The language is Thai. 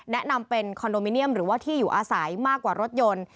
แนะนำเป็นคอนโดมิเนียมหรือว่าที่อยู่อาศัยมากกว่ารถยนต์